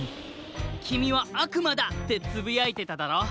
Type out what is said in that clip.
「きみはあくまだ！」ってつぶやいてただろ？